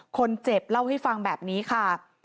คนเจ็บเล่าให้ฟังแบบนี้ค่ะ